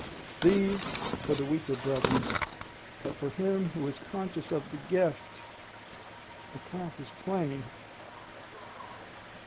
These for the weaker brethren: but for him who is conscious of the Gift, the path is plain.